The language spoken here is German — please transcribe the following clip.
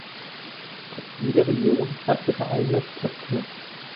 Jede Region hat ihre eigene Rezeptur.